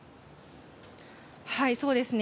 はい、そうですね。